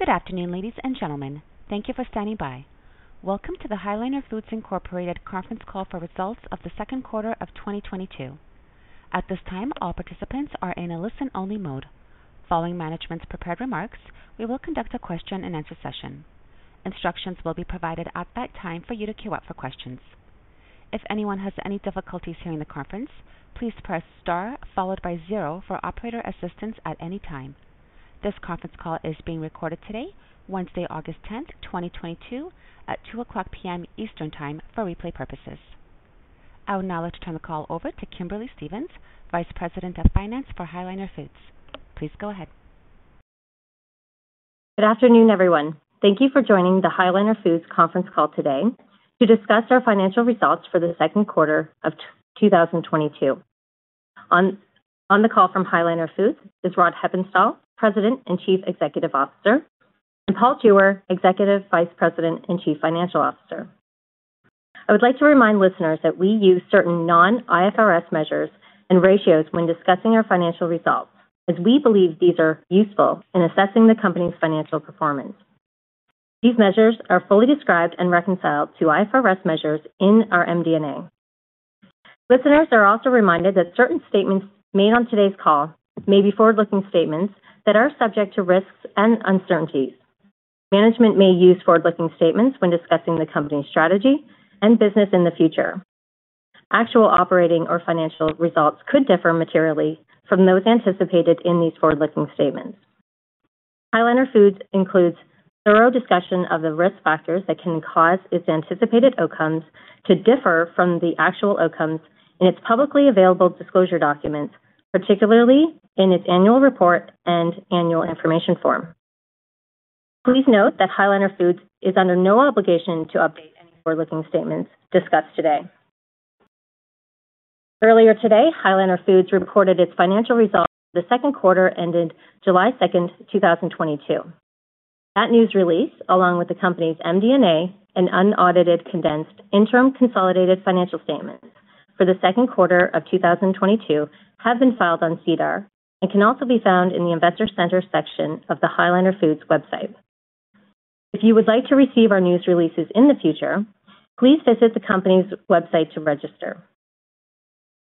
Good afternoon, ladies and gentlemen. Thank you for standing by. Welcome to the High Liner Foods Incorporated conference call for results of the second quarter of 2022. At this time, all participants are in a listen-only mode. Following management's prepared remarks, we will conduct a question-and-answer session. Instructions will be provided at that time for you to queue up for questions. If anyone has any difficulties hearing the conference, please press star followed by zero for operator assistance at any time. This conference call is being recorded today, Wednesday, August 10th, 2022 at 2:00 P.M. Eastern Time for replay purposes. I would now like to turn the call over to Kimberly Stephens, Vice President of Finance for High Liner Foods. Please go ahead. Good afternoon, everyone. Thank you for joining the High Liner Foods conference call today to discuss our financial results for the second quarter of 2022. On the call from High Liner Foods is Rod Hepponstall, President and Chief Executive Officer, and Paul Jewer, Executive Vice President and Chief Financial Officer. I would like to remind listeners that we use certain non-IFRS measures and ratios when discussing our financial results, as we believe these are useful in assessing the company's financial performance. These measures are fully described and reconciled to IFRS measures in our MD&A. Listeners are also reminded that certain statements made on today's call may be forward-looking statements that are subject to risks and uncertainties. Management may use forward-looking statements when discussing the company's strategy and business in the future. Actual operating or financial results could differ materially from those anticipated in these forward-looking statements. High Liner Foods includes thorough discussion of the risk factors that can cause its anticipated outcomes to differ from the actual outcomes in its publicly available disclosure documents, particularly in its annual report and annual information form. Please note that High Liner Foods is under no obligation to update any forward-looking statements discussed today. Earlier today, High Liner Foods reported its financial results for the second quarter ended July 2nd, 2022. That news release, along with the company's MD&A and unaudited condensed interim consolidated financial statements for the second quarter of 2022 have been filed on SEDAR and can also be found in the investor center section of the High Liner Foods website. If you would like to receive our news releases in the future, please visit the company's website to register.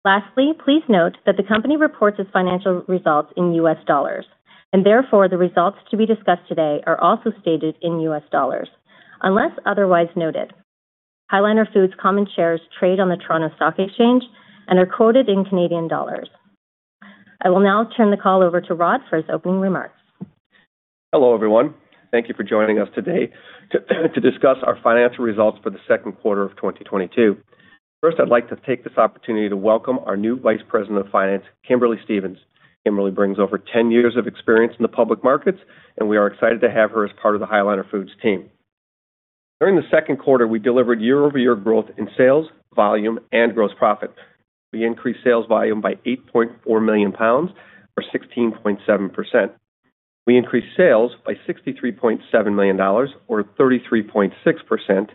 Lastly, please note that the company reports its financial results in US dollars, and therefore, the results to be discussed today are also stated in US dollars, unless otherwise noted. High Liner Foods common shares trade on the Toronto Stock Exchange and are quoted in Canadian dollars. I will now turn the call over to Rod for his opening remarks. Hello, everyone. Thank you for joining us today to discuss our financial results for the second quarter of 2022. First, I'd like to take this opportunity to welcome our new Vice President of Finance, Kimberly Stephens. Kimberly brings over 10 years of experience in the public markets, and we are excited to have her as part of the High Liner Foods team. During the second quarter, we delivered year-over-year growth in sales, volume and gross profit. We increased sales volume by 8.4 million pounds or 16.7%. We increased sales by $63.7 million or 33.6%.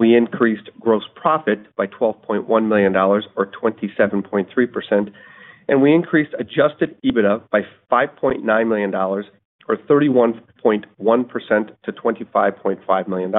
We increased gross profit by $12.1 million or 27.3%, and we increased adjusted EBITDA by $5.9 million or 31.1% to $25.5 million.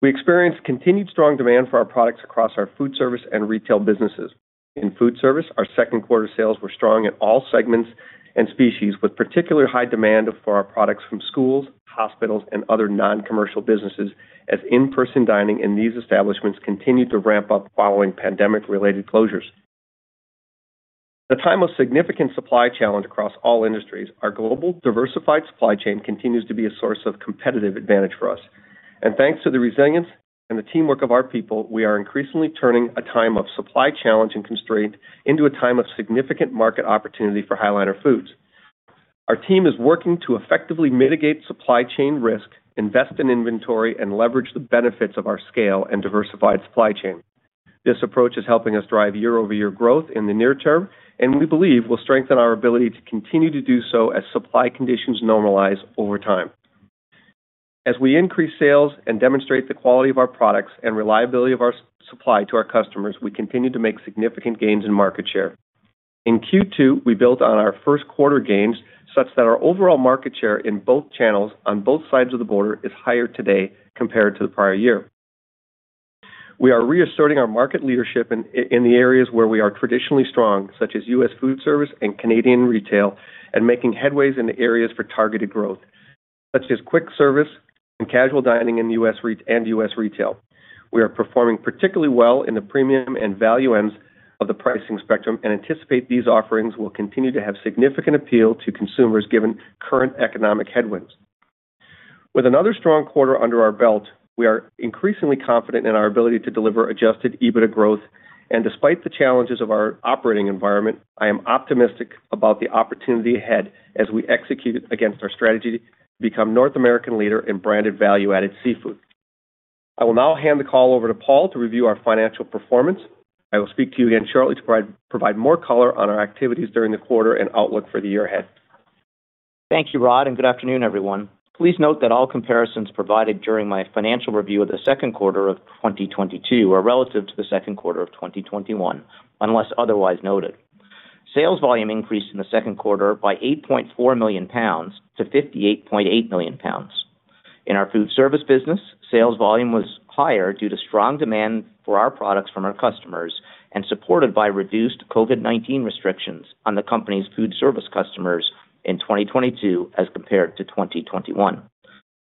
We experienced continued strong demand for our products across our food service and retail businesses. In food service, our second quarter sales were strong in all segments and species, with particular high demand for our products from schools, hospitals and other non-commercial businesses as in-person dining in these establishments continued to ramp up following pandemic-related closures. At a time of significant supply challenge across all industries, our global diversified supply chain continues to be a source of competitive advantage for us. Thanks to the resilience and the teamwork of our people, we are increasingly turning a time of supply challenge and constraint into a time of significant market opportunity for High Liner Foods. Our team is working to effectively mitigate supply chain risk, invest in inventory, and leverage the benefits of our scale and diversified supply chain. This approach is helping us drive year-over-year growth in the near term, and we believe will strengthen our ability to continue to do so as supply conditions normalize over time. As we increase sales and demonstrate the quality of our products and reliability of our supply to our customers, we continue to make significant gains in market share. In Q2, we built on our first quarter gains such that our overall market share in both channels on both sides of the border is higher today compared to the prior year. We are reasserting our market leadership in the areas where we are traditionally strong, such as U.S. food service and Canadian retail, and making headway in the areas for targeted growth, such as quick service and casual dining in U.S. retail. We are performing particularly well in the premium and value ends of the pricing spectrum and anticipate these offerings will continue to have significant appeal to consumers given current economic headwinds. With another strong quarter under our belt, we are increasingly confident in our ability to deliver adjusted EBITDA growth. Despite the challenges of our operating environment, I am optimistic about the opportunity ahead as we execute against our strategy to become North American leader in branded value-added seafood. I will now hand the call over to Paul to review our financial performance. I will speak to you again shortly to provide more color on our activities during the quarter and outlook for the year ahead. Thank you, Rod, and good afternoon, everyone. Please note that all comparisons provided during my financial review of the second quarter of 2022 are relative to the second quarter of 2021, unless otherwise noted. Sales volume increased in the second quarter by 8.4 million pounds to 58.8 million pounds. In our food service business, sales volume was higher due to strong demand for our products from our customers and supported by reduced COVID-19 restrictions on the company's food service customers in 2022 as compared to 2021.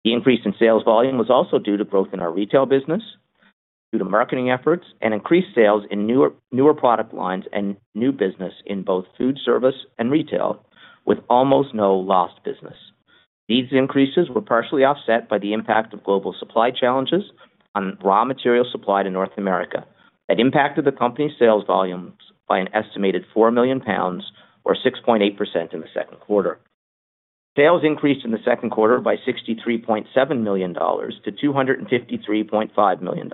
The increase in sales volume was also due to growth in our retail business due to marketing efforts and increased sales in newer product lines and new business in both food service and retail, with almost no lost business. These increases were partially offset by the impact of global supply challenges on raw material supply to North America. That impacted the company's sales volumes by an estimated 4 million pounds or 6.8% in the second quarter. Sales increased in the second quarter by $63.7 million to $253.5 million,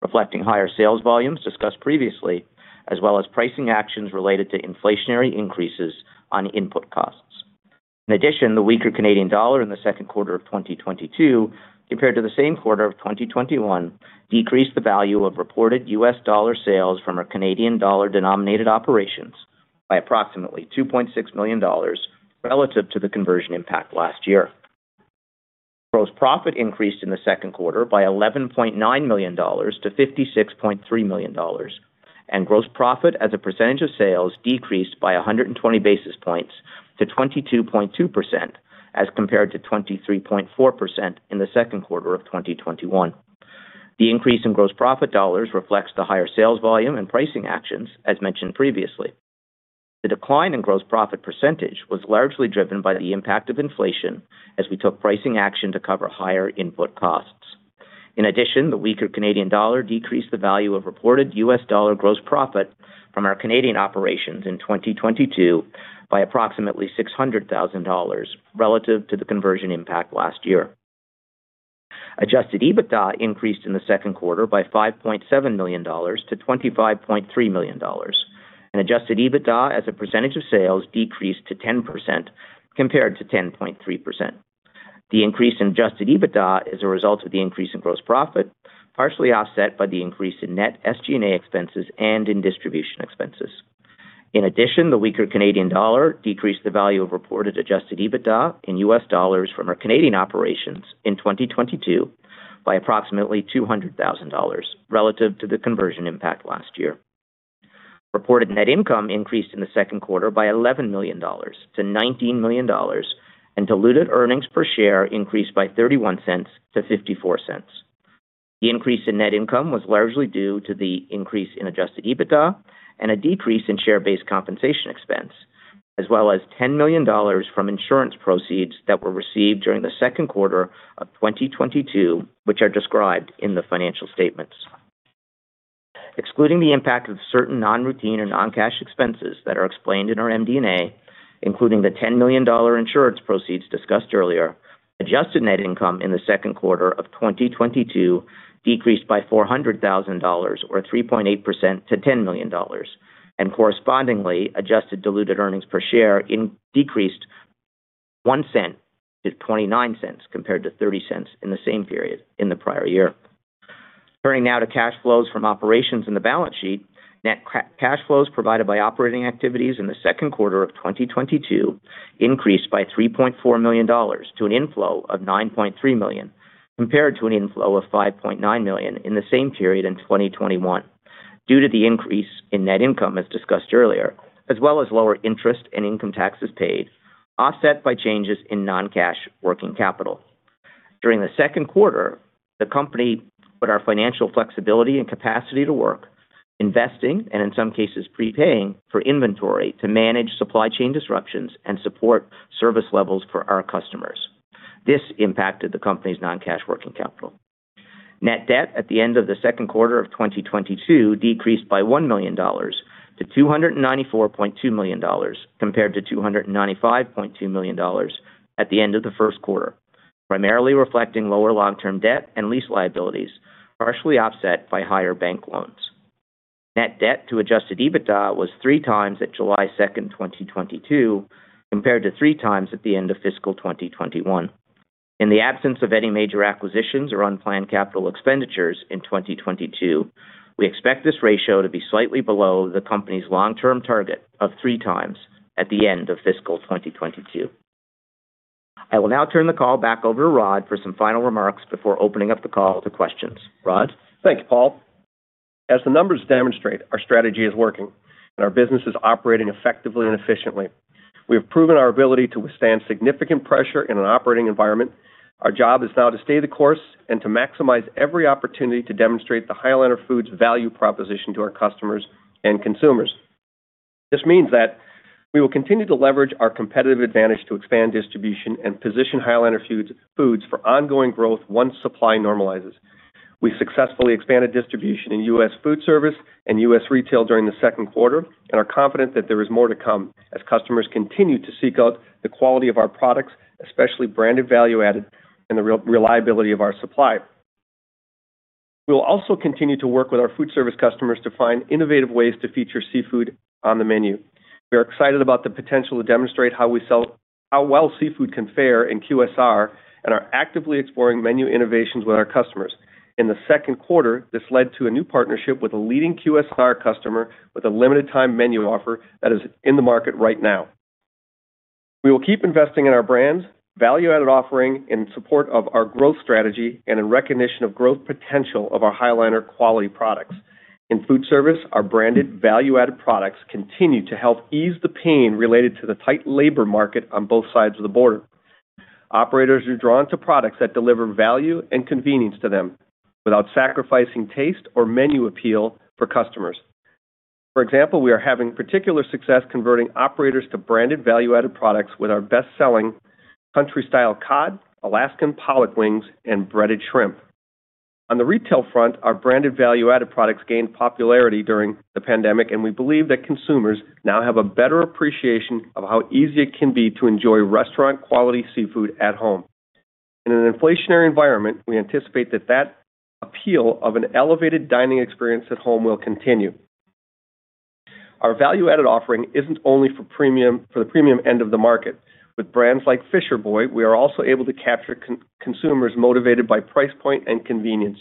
reflecting higher sales volumes discussed previously, as well as pricing actions related to inflationary increases on input costs. In addition, the weaker Canadian dollar in the second quarter of 2022 compared to the same quarter of 2021 decreased the value of reported US dollar sales from our Canadian dollar denominated operations by approximately $2.6 million relative to the conversion impact last year. Gross profit increased in the second quarter by $11.9 million to $56.3 million, and gross profit as a percentage of sales decreased by 120 basis points to 22.2% as compared to 23.4% in the second quarter of 2021. The increase in gross profit dollars reflects the higher sales volume and pricing actions, as mentioned previously. The decline in gross profit percentage was largely driven by the impact of inflation as we took pricing action to cover higher input costs. In addition, the weaker Canadian dollar decreased the value of reported US dollar gross profit from our Canadian operations in 2022 by approximately $600,000 relative to the conversion impact last year. Adjusted EBITDA increased in the second quarter by $5.7 million to $25.3 million, and adjusted EBITDA as a percentage of sales decreased to 10% compared to 10.3%. The increase in adjusted EBITDA is a result of the increase in gross profit, partially offset by the increase in net SG&A expenses and in distribution expenses. In addition, the weaker Canadian dollar decreased the value of reported adjusted EBITDA in US dollars from our Canadian operations in 2022 by approximately $200,000 relative to the conversion impact last year. Reported net income increased in the second quarter by $11 million to $19 million, and diluted earnings per share increased by $0.31 to $0.54. The increase in net income was largely due to the increase in adjusted EBITDA and a decrease in share-based compensation expense, as well as $10 million from insurance proceeds that were received during the second quarter of 2022, which are described in the financial statements. Excluding the impact of certain non-routine or non-cash expenses that are explained in our MD&A, including the $10 million insurance proceeds discussed earlier, adjusted net income in the second quarter of 2022 decreased by $400,000 or 3.8% to $10 million. Correspondingly, adjusted diluted earnings per share decreased $0.01 to $0.29 compared to $0.30 in the same period in the prior year. Turning now to cash flows from operations in the balance sheet. Net cash flows provided by operating activities in the second quarter of 2022 increased by $3.4 million to an inflow of $9.3 million, compared to an inflow of $5.9 million in the same period in 2021 due to the increase in net income, as discussed earlier, as well as lower interest and income taxes paid, offset by changes in non-cash working capital. During the second quarter, the company put our financial flexibility and capacity to work, investing and in some cases prepaying for inventory to manage supply chain disruptions and support service levels for our customers. This impacted the company's non-cash working capital. Net debt at the end of the second quarter of 2022 decreased by $1 million to $294.2 million, compared to $295.2 million at the end of the first quarter, primarily reflecting lower long-term debt and lease liabilities, partially offset by higher bank loans. Net debt to adjusted EBITDA was 3x at July 2nd, 2022, compared to 3x at the end of fiscal 2021. In the absence of any major acquisitions or unplanned capital expenditures in 2022, we expect this ratio to be slightly below the company's long-term target of 3x at the end of fiscal 2022. I will now turn the call back over to Rod for some final remarks before opening up the call to questions. Rod? Thank you, Paul. As the numbers demonstrate, our strategy is working and our business is operating effectively and efficiently. We have proven our ability to withstand significant pressure in an operating environment. Our job is now to stay the course and to maximize every opportunity to demonstrate the High Liner Foods value proposition to our customers and consumers. This means that we will continue to leverage our competitive advantage to expand distribution and position High Liner Foods for ongoing growth once supply normalizes. We successfully expanded distribution in U.S. food service and U.S. retail during the second quarter and are confident that there is more to come as customers continue to seek out the quality of our products, especially branded value-added and the reliability of our supply. We will also continue to work with our food service customers to find innovative ways to feature seafood on the menu. We are excited about the potential to demonstrate how well seafood can fare in QSR and are actively exploring menu innovations with our customers. In the second quarter, this led to a new partnership with a leading QSR customer with a limited time menu offer that is in the market right now. We will keep investing in our brands value-added offering in support of our growth strategy and in recognition of growth potential of our High Liner quality products. In food service, our branded value-added products continue to help ease the pain related to the tight labor market on both sides of the border. Operators are drawn to products that deliver value and convenience to them without sacrificing taste or menu appeal for customers. For example, we are having particular success converting operators to branded value-added products with our best-selling country-style cod, Alaskan Pollock Wings, and Breaded Shrimp. On the retail front, our branded value-added products gained popularity during the pandemic, and we believe that consumers now have a better appreciation of how easy it can be to enjoy restaurant quality seafood at home. In an inflationary environment, we anticipate that appeal of an elevated dining experience at home will continue. Our value-added offering isn't only for the premium end of the market. With brands like Fisher Boy, we are also able to capture consumers motivated by price point and convenience.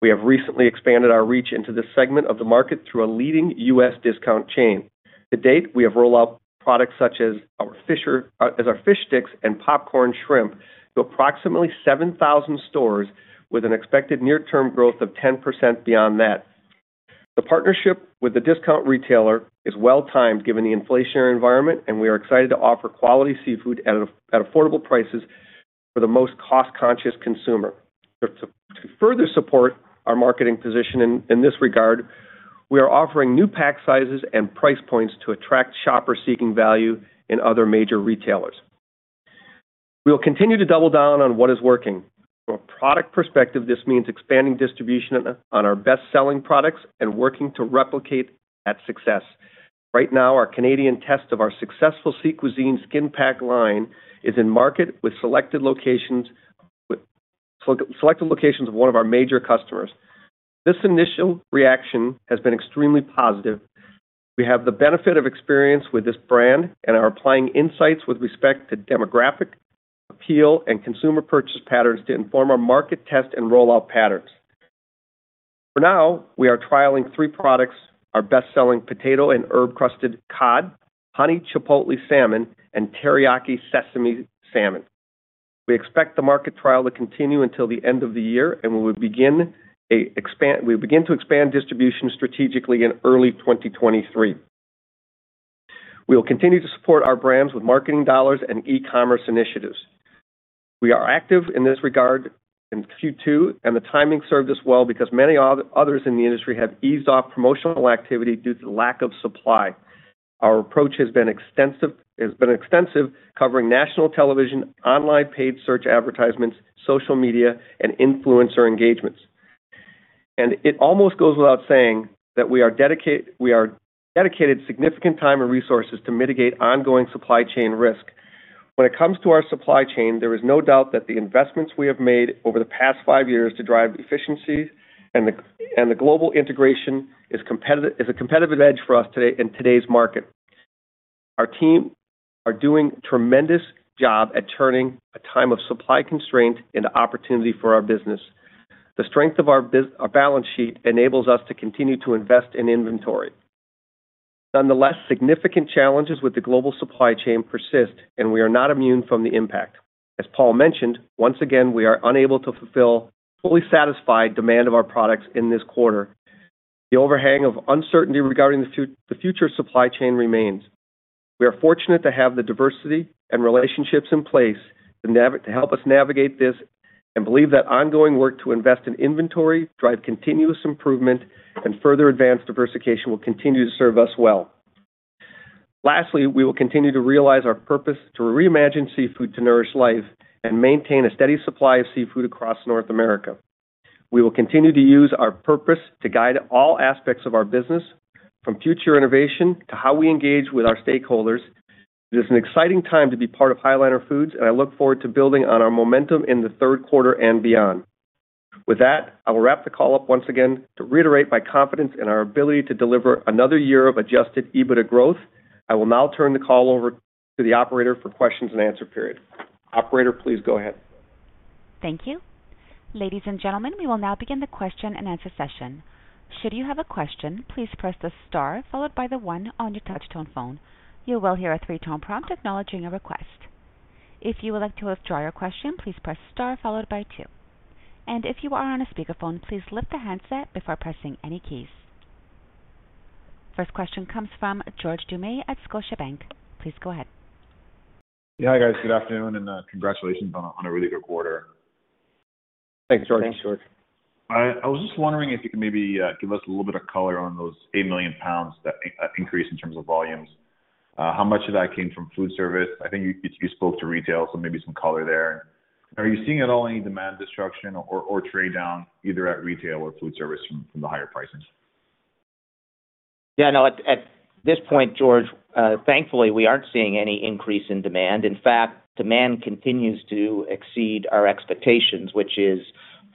We have recently expanded our reach into this segment of the market through a leading U.S. discount chain. To date, we have rolled out products such as our Fish Sticks and Popcorn Shrimp to approximately 7,000 stores with an expected near-term growth of 10% beyond that. The partnership with the discount retailer is well-timed given the inflationary environment, and we are excited to offer quality seafood at affordable prices for the most cost-conscious consumer. To further support our marketing position in this regard, we are offering new pack sizes and price points to attract shoppers seeking value in other major retailers. We will continue to double down on what is working. From a product perspective, this means expanding distribution on our best-selling products and working to replicate that success. Right now, our Canadian test of our successful Sea Cuisine skin pack line is in market with selected locations of one of our major customers. This initial reaction has been extremely positive. We have the benefit of experience with this brand and are applying insights with respect to demographic appeal and consumer purchase patterns to inform our market test and rollout patterns. For now, we are trialing three products, our best-selling Potato and Herb Crusted Cod, Honey Chipotle Salmon, and Teriyaki Sesame Salmon. We expect the market trial to continue until the end of the year, and we will begin to expand distribution strategically in early 2023. We will continue to support our brands with marketing dollars and e-commerce initiatives. We are active in this regard in Q2, and the timing served us well because many others in the industry have eased off promotional activity due to lack of supply. Our approach has been extensive, covering national television, online paid search advertisements, social media, and influencer engagements. It almost goes without saying that we are dedicated significant time and resources to mitigate ongoing supply chain risk. When it comes to our supply chain, there is no doubt that the investments we have made over the past five years to drive efficiencies and global integration is a competitive edge for us today in today's market. Our team are doing tremendous job at turning a time of supply constraint into opportunity for our business. The strength of our balance sheet enables us to continue to invest in inventory. Nonetheless, significant challenges with the global supply chain persist, and we are not immune from the impact. As Paul mentioned, once again, we are unable to fully satisfy demand of our products in this quarter. The overhang of uncertainty regarding the future supply chain remains. We are fortunate to have the diversity and relationships in place to help us navigate this, and believe that ongoing work to invest in inventory, drive continuous improvement, and further advance diversification will continue to serve us well. Lastly, we will continue to realize our purpose to reimagine seafood to nourish life and maintain a steady supply of seafood across North America. We will continue to use our purpose to guide all aspects of our business from future innovation to how we engage with our stakeholders. It is an exciting time to be part of High Liner Foods, and I look forward to building on our momentum in the third quarter and beyond. With that, I will wrap the call up once again to reiterate my confidence in our ability to deliver another year of adjusted EBITDA growth. I will now turn the call over to the operator for questions and answer period. Operator, please go ahead. Thank you. Ladies and gentlemen, we will now begin the question and answer session. Should you have a question, please press the star followed by the one on your touch tone phone. You will hear a three-tone prompt acknowledging a request. If you would like to withdraw your question, please press star followed by two. If you are on a speakerphone, please lift the handset before pressing any keys. First question comes from George Doumet at Scotiabank. Please go ahead. Yeah. Good afternoon, and congratulations on a really good quarter. Thanks, George. I was just wondering if you could maybe give us a little bit of color on those 8 million pounds that increase in terms of volumes. How much of that came from food service? I think you spoke to retail, so maybe some color there. Are you seeing at all any demand destruction or trade down either at retail or food service from the higher prices? Yeah, no. At this point, George, thankfully, we aren't seeing any increase in demand. In fact, demand continues to exceed our expectations, which is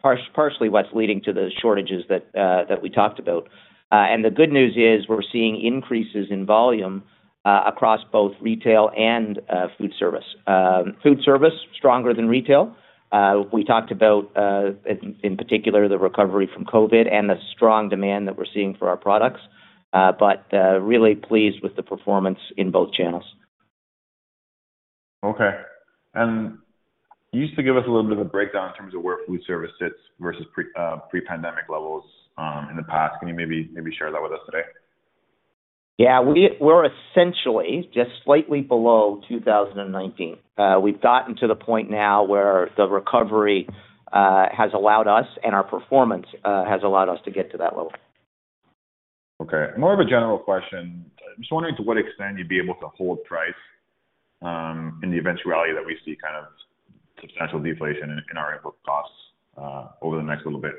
partially what's leading to the shortages that we talked about. The good news is we're seeing increases in volume across both retail and food service. Food service, stronger than retail. We talked about in particular the recovery from COVID and the strong demand that we're seeing for our products. Really pleased with the performance in both channels. Okay. You used to give us a little bit of a breakdown in terms of where food service sits versus pre-pandemic levels in the past. Can you maybe share that with us today? Yeah. We're essentially just slightly below 2019. We've gotten to the point now where the recovery has allowed us and our performance has allowed us to get to that level. Okay. More of a general question. Just wondering to what extent you'd be able to hold price in the eventuality that we see kind of substantial deflation in our input costs over the next little bit?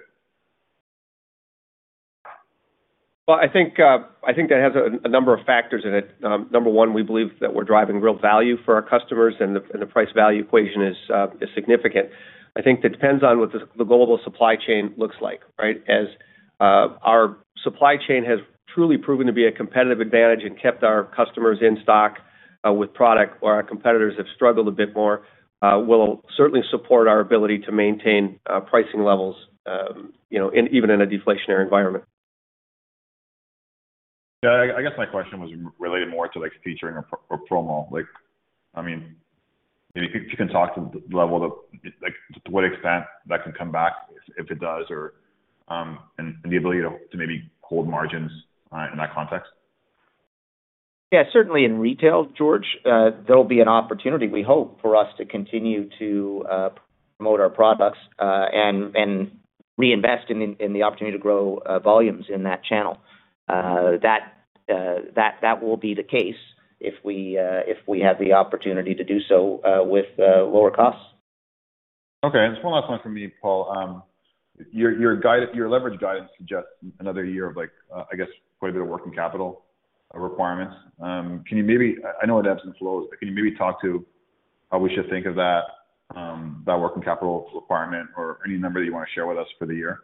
Well, I think that has a number of factors in it. Number one, we believe that we're driving real value for our customers and the price value equation is significant. I think it depends on what the global supply chain looks like, right? Our supply chain has truly proven to be a competitive advantage and kept our customers in stock with product while our competitors have struggled a bit more, will certainly support our ability to maintain pricing levels, you know, in even a deflationary environment. Yeah, I guess my question was related more to like featuring a promo. Like, I mean, if you can talk to the level of like to what extent that can come back if it does or and the ability to maybe hold margins in that context. Yeah. Certainly in retail, George, there'll be an opportunity we hope for us to continue to promote our products, and reinvest in the opportunity to grow volumes in that channel. That will be the case if we have the opportunity to do so with lower costs. Okay. Just one last one from me, Paul. Your leverage guidance suggests another year of like, I guess, quite a bit of working capital requirements. I know it ebbs and flows, but can you maybe talk to how we should think of that working capital requirement or any number that you wanna share with us for the year?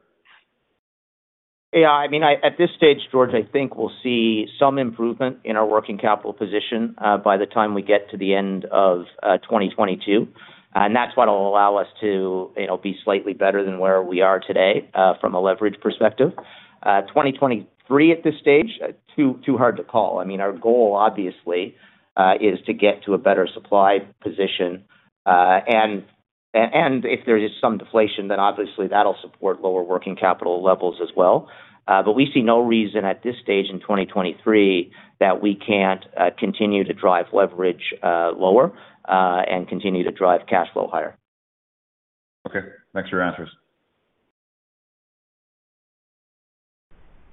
Yeah. I mean, at this stage, George, I think we'll see some improvement in our working capital position by the time we get to the end of 2022. That's what will allow us to, you know, be slightly better than where we are today from a leverage perspective. 2023 at this stage too hard to call. I mean, our goal obviously is to get to a better supply position. If there is some deflation, then obviously that'll support lower working capital levels as well. We see no reason at this stage in 2023 that we can't continue to drive leverage lower and continue to drive cash flow higher. Okay. Thanks for your answers.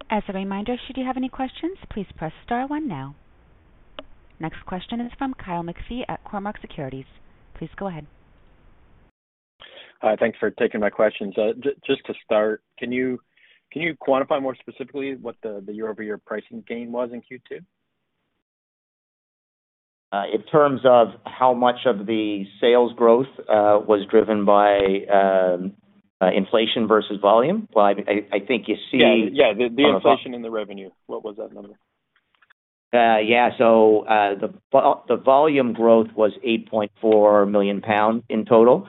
As a reminder, should you have any questions, please press star one now. Next question is from Kyle McPhee at Cormark Securities. Please go ahead. Thanks for taking my questions. Just to start, can you quantify more specifically what the year-over-year pricing gain was in Q2? In terms of how much of the sales growth was driven by inflation versus volume? Well, I think you see- Yeah, yeah. The inflation in the revenue. What was that number? The volume growth was 8.4 million pounds in total.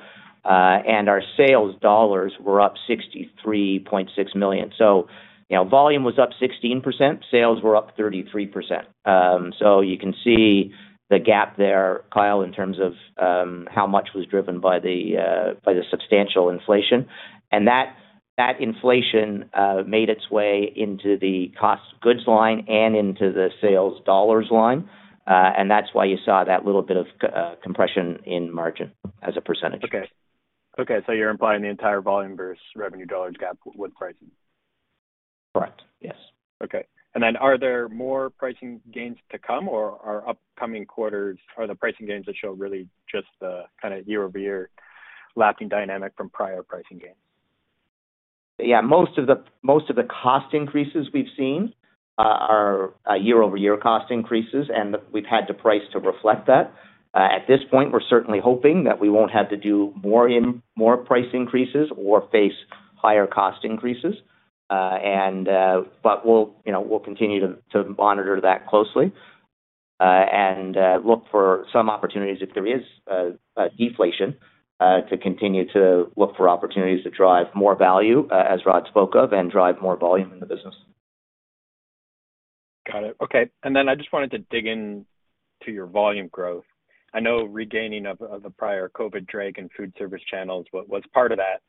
Our sales dollars were up $63.6 million. You know, volume was up 16%, sales were up 33%. You can see the gap there, Kyle, in terms of how much was driven by the substantial inflation. That inflation made its way into the cost of goods line and into the sales dollars line. That's why you saw that little bit of compression in margin as a percentage. Okay. You're implying the entire volume versus revenue dollars gap with pricing? Correct. Yes. Okay. Are there more pricing gains to come, or are upcoming quarters are the pricing gains that show really just the kinda year-over-year lapping dynamic from prior pricing gains? Yeah. Most of the cost increases we've seen are year-over-year cost increases, and we've had to price to reflect that. At this point, we're certainly hoping that we won't have to do more price increases or face higher cost increases. We'll, you know, we'll continue to monitor that closely and look for some opportunities if there is deflation to continue to look for opportunities to drive more value, as Rod spoke of, and drive more volume in the business. Got it. Okay. Then I just wanted to dig in to your volume growth. I know regaining of the prior COVID drag and food service channels was part of that,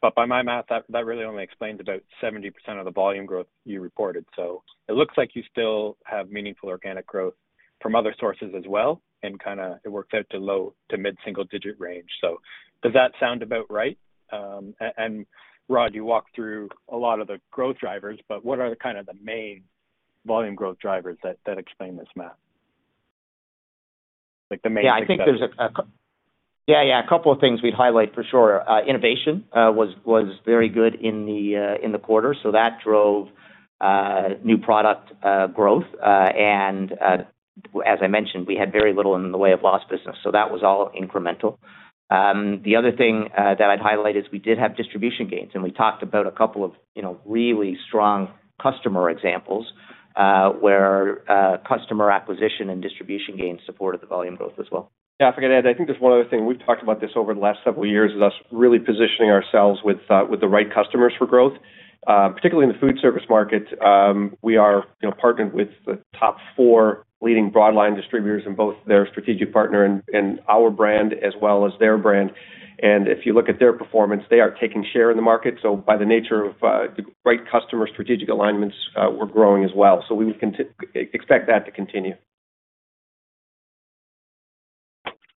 but by my math, that really only explains about 70% of the volume growth you reported. It looks like you still have meaningful organic growth from other sources as well, and kinda it works out to low- to mid-single-digit range. Does that sound about right? And Rod, you walked through a lot of the growth drivers, but what are kind of the main volume growth drivers that explain this math? Like the main things that- Yeah. I think there's a couple of things we'd highlight for sure. Innovation was very good in the quarter, so that drove new product growth. As I mentioned, we had very little in the way of lost business, so that was all incremental. The other thing that I'd highlight is we did have distribution gains, and we talked about a couple of, you know, really strong customer examples, where customer acquisition and distribution gains supported the volume growth as well. Yeah. If I could add, I think there's one other thing. We've talked about this over the last several years, is us really positioning ourselves with the right customers for growth. Particularly in the food service market, we are, you know, partnered with the top four leading broad line distributors in both their strategic partner and our brand as well as their brand. If you look at their performance, they are taking share in the market. By the nature of, the great customer strategic alignments, we're growing as well, so we would expect that to continue.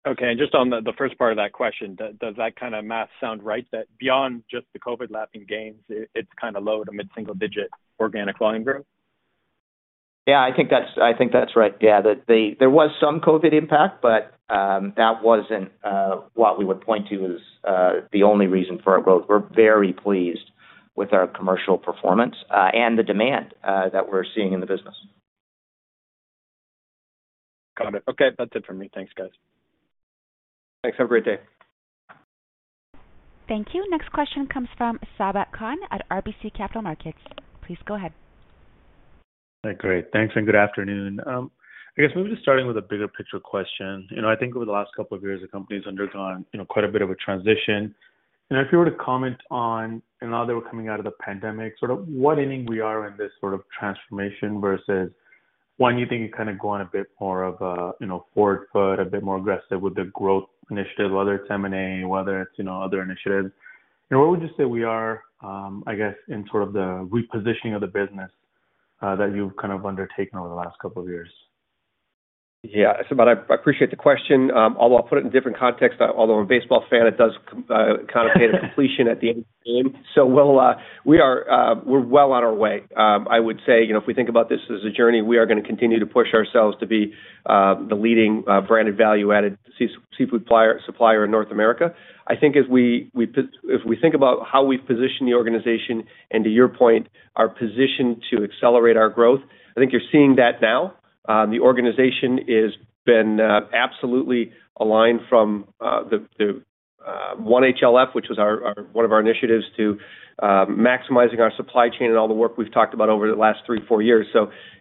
Okay. Just on the first part of that question, does that kind of math sound right? That beyond just the COVID lapping gains, it's kinda low to mid-single digit organic volume growth? Yeah, I think that's right. Yeah. There was some COVID impact, but that wasn't what we would point to as the only reason for our growth. We're very pleased with our commercial performance and the demand that we're seeing in the business. Got it. Okay. That's it for me. Thanks, guys. Thanks. Have a great day. Thank you. Next question comes from Sabahat Khan at RBC Capital Markets. Please go ahead. Great. Thanks, and good afternoon. I guess maybe just starting with a bigger picture question. You know, I think over the last couple of years, the company's undergone, you know, quite a bit of a transition. You know, if you were to comment on, you know, now that we're coming out of the pandemic, sort of what inning we are in this sort of transformation versus when you think you're kinda going a bit more of a, you know, front foot, a bit more aggressive with the growth initiative, whether it's M&A, whether it's, you know, other initiatives. You know, where would you say we are, I guess, in sort of the repositioning of the business, that you've kind of undertaken over the last couple of years? Yeah. Sabahat, I appreciate the question. I'll put it in different context, although I'm a baseball fan, it does kinda paint a completion at the end of the game. We're well on our way. I would say, you know, if we think about this as a journey, we are gonna continue to push ourselves to be the leading branded value-added seafood supplier in North America. I think if we think about how we position the organization, and to your point, our position to accelerate our growth, I think you're seeing that now. The organization has been absolutely aligned from the One HLF, which was one of our initiatives to maximizing our supply chain and all the work we've talked about over the last 3-4 years.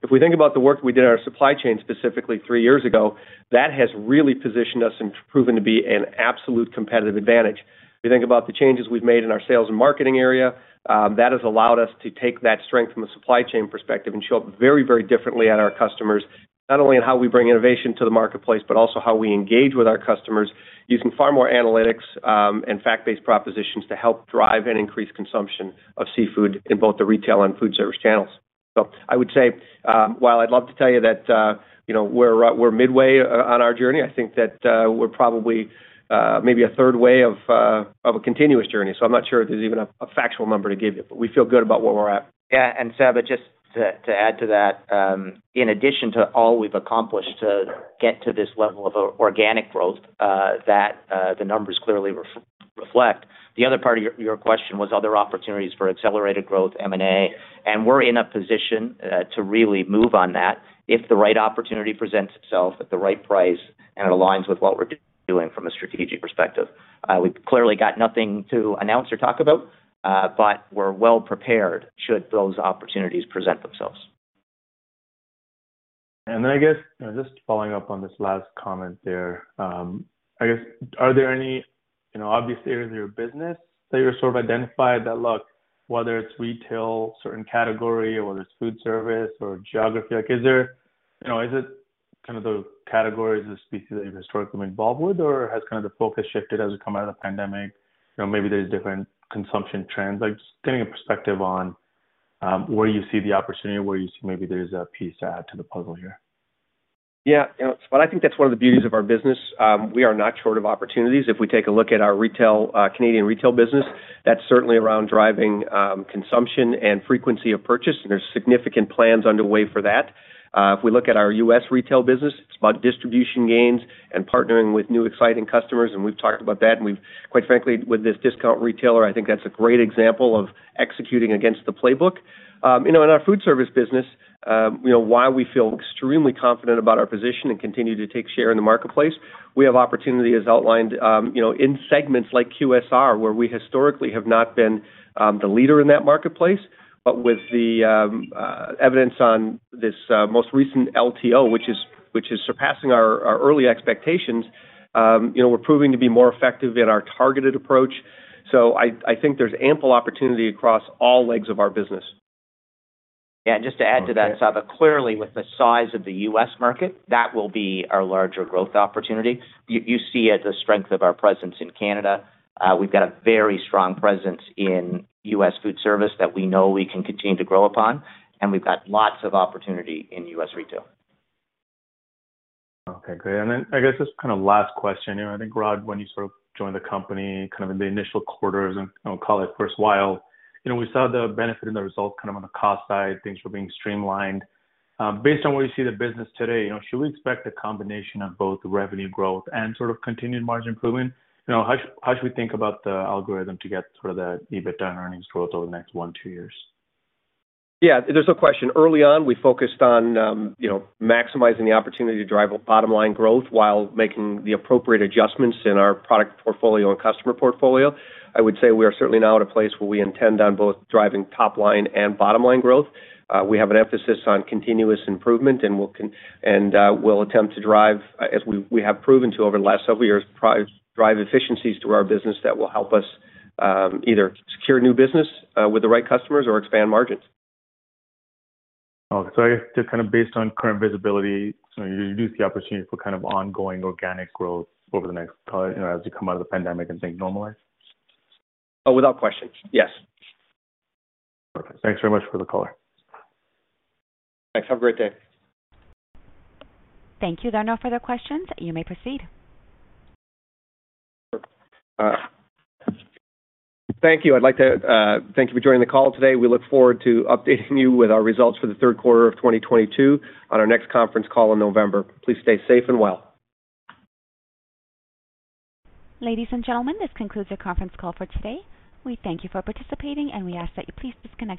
If we think about the work we did in our supply chain, specifically three years ago, that has really positioned us and proven to be an absolute competitive advantage. If you think about the changes we've made in our sales and marketing area, that has allowed us to take that strength from a supply chain perspective and show up very, very differently at our customers, not only in how we bring innovation to the marketplace, but also how we engage with our customers using far more analytics and fact-based propositions to help drive and increase consumption of seafood in both the retail and food service channels. I would say, while I'd love to tell you that, you know, we're midway on our journey, I think that we're probably maybe a third way of a continuous journey. I'm not sure if there's even a factual number to give you, but we feel good about where we're at. Yeah. Sabahat, just to add to that, in addition to all we've accomplished to get to this level of organic growth, that the numbers clearly reflect, the other part of your question was other opportunities for accelerated growth, M&A, and we're in a position to really move on that if the right opportunity presents itself at the right price and it aligns with what we're doing from a strategic perspective. We've clearly got nothing to announce or talk about. We're well prepared should those opportunities present themselves. I guess just following up on this last comment there, I guess are there any, you know, obvious areas of your business that you've sort of identified that look, whether it's retail, certain category, or whether it's food service or geography, like is there. You know, is it kind of the categories of species that you've historically been involved with, or has kind of the focus shifted as we come out of the pandemic? You know, maybe there's different consumption trends. Like, just getting a perspective on, where you see the opportunity and where you see maybe there's a piece to add to the puzzle here. Yeah. You know, Sabahat, I think that's one of the beauties of our business. We are not short of opportunities. If we take a look at our retail, Canadian retail business, that's certainly around driving consumption and frequency of purchase, and there's significant plans underway for that. If we look at our U.S. retail business, it's about distribution gains and partnering with new exciting customers, and we've talked about that. Quite frankly, with this discount retailer, I think that's a great example of executing against the playbook. You know, in our food service business, you know, while we feel extremely confident about our position and continue to take share in the marketplace, we have opportunity as outlined, you know, in segments like QSR, where we historically have not been the leader in that marketplace. With the evidence on this most recent LTO, which is surpassing our early expectations, you know, we're proving to be more effective in our targeted approach. I think there's ample opportunity across all legs of our business. Yeah. Just to add to that, Saba, clearly with the size of the U.S. market, that will be our larger growth opportunity. You see it, the strength of our presence in Canada. We've got a very strong presence in U.S. food service that we know we can continue to grow upon, and we've got lots of opportunity in U.S. retail. Okay, great. Then I guess just kinda last question here. I think, Rod, when you sort of joined the company, kind of in the initial quarters, and I'll call it first while, you know, we saw the benefit and the results kind of on the cost side, things were being streamlined. Based on where you see the business today, you know, should we expect a combination of both revenue growth and sort of continued margin improvement? You know, how should we think about the algorithm to get sort of the EBITDA and earnings growth over the next one to two years? Yeah. There's no question. Early on, we focused on, you know, maximizing the opportunity to drive bottom line growth while making the appropriate adjustments in our product portfolio and customer portfolio. I would say we are certainly now at a place where we intend on both driving top line and bottom line growth. We have an emphasis on continuous improvement, and we'll attempt to drive, as we have proven to over the last several years, drive efficiencies through our business that will help us either secure new business with the right customers or expand margins. Okay. I guess just kinda based on current visibility, you do see opportunity for kind of ongoing organic growth over the next, you know, as we come out of the pandemic and things normalize? Oh, without question, yes. Perfect. Thanks very much for the color. Thanks. Have a great day. Thank you. There are no further questions. You may proceed. Thank you. I'd like to thank you for joining the call today. We look forward to updating you with our results for the third quarter of 2022 on our next conference call in November. Please stay safe and well. Ladies and gentlemen, this concludes your conference call for today. We thank you for participating, and we ask that you please disconnect your-